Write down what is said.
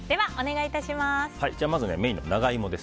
まずメインの長イモです。